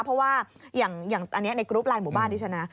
เพราะว่าอย่างอันนี้ในกรุ๊ปไลน์หมู่บ้านดิฉันนะ